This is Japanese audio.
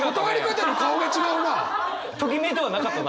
ときめいてはなかったな。